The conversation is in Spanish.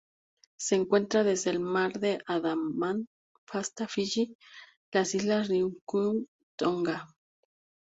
Se encuentra desde el Mar de Andaman hasta Fiyi, las Islas Ryukyu y Tonga.